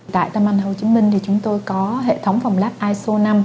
tại tâm anh hồ chí minh thì chúng tôi có hệ thống phòng lab iso năm